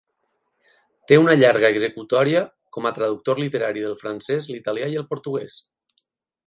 Té una llarga executòria com a traductor literari del francès, l'italià i el portuguès.